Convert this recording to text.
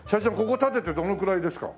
ここ建ててどのぐらいですか？